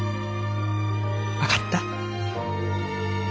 分かった？